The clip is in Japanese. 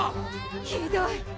・・ひどい！